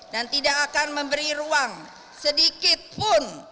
dan tidak akan memberi ruang sedikitpun